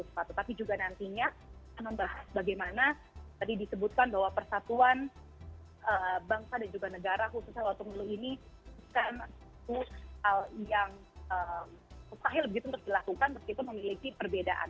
tetapi juga nantinya akan membahas bagaimana tadi disebutkan bahwa persatuan bangsa dan juga negara khususnya waktu milu ini bukan hal yang mustahil begitu untuk dilakukan meskipun memiliki perbedaan